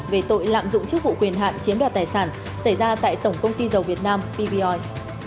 về tội lạm dụng chức vụ quyền hạn chiếm đoạt tài sản xảy ra tại tổng công ty dầu việt nam pvoi